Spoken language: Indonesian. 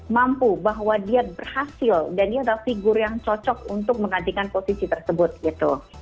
mampu bahwa dia berhasil dan dia adalah figur yang cocok untuk menggantikan posisi tersebut gitu